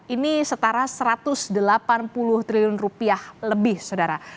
ini setara satu ratus delapan puluh triliun rupiah lebih saudara